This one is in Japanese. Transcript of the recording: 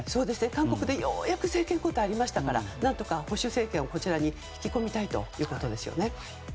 韓国で、ようやく政権交代がありましたから何とか保守政権をこちらに引き込みたいということですね。